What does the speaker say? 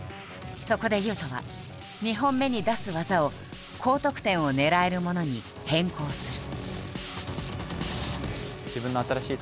そこで雄斗は２本目に出す技を高得点を狙えるものに変更する。